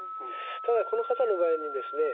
ただこの方の場合にですね